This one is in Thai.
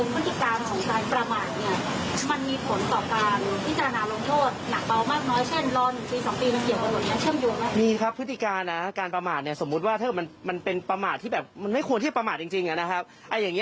พอดีครับพฤติการณ์สมมติว่าถ้ามันใช้ประมาทที่ไม่ควรประมาทจริง